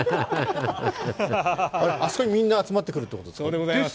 あそこにみんな集まってくるということですか？